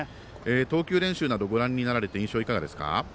投球練習などご覧になられて印象、いかがですか？